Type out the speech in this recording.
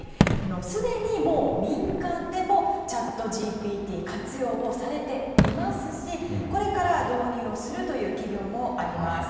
すでにもう、民間でもチャットＧＰＴは活用をされていますしこれから導入をするという企業もあります。